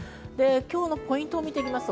今日のポイントです。